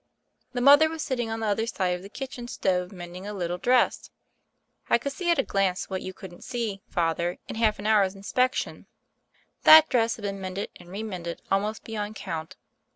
The mother Was sitting on the other side of the kitchen stove mending a little dress. I could see at a glance what you couldn't see, Father, in half an hour's inspection: That dress had been mended and re mended almost beyond count.